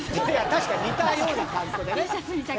確かに似たような感じ。